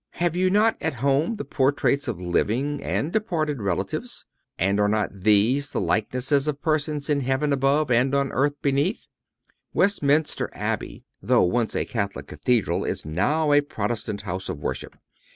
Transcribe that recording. Have you not at home the portraits of living and departed relatives? And are not these the likenesses of persons in heaven above and on the earth beneath? Westminster Abbey, though once a Catholic Cathedral, is now a Protestant house of worship.